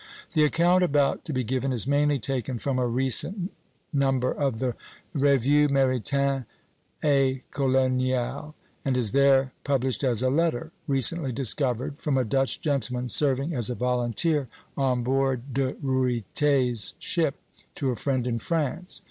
The account about to be given is mainly taken from a recent number of the "Revue Maritime et Coloniale," and is there published as a letter, recently discovered, from a Dutch gentleman serving as volunteer on board De Ruyter's ship, to a friend in France.